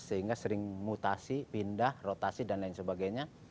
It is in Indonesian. sehingga sering mutasi pindah rotasi dan lain sebagainya